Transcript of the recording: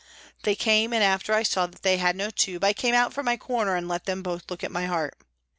They came, and after I saw that they had no tube I came out from my corner and let them both look at my heart.